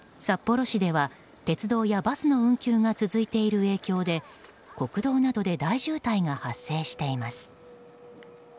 札幌市では、鉄道やバスの運休が続いている影響で国道などで大渋滞が発生しています。